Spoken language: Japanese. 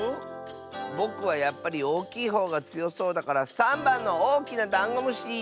ぼくはやっぱりおおきいほうがつよそうだから３ばんのおおきなダンゴムシ！